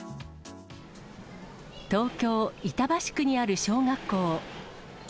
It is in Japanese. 東京・板橋区にある小学校。